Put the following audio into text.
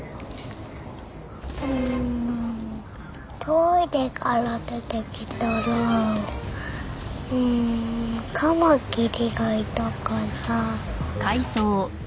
トイレから出てきたらうーんカマキリがいたから。